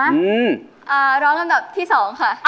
อ่าร้องอันดับที่๒ค่ะ